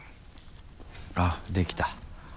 あっできた。